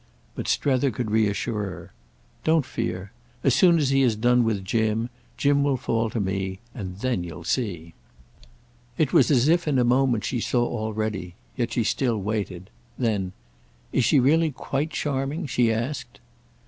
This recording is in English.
But Strether could reassure her. "Don't fear. As soon as he has done with Jim, Jim will fall to me. And then you'll see." It was as if in a moment she saw already; yet she still waited. Then "Is she really quite charming?" she asked.